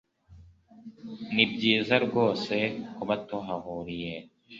nibyiza rwose kuba tuhahuriye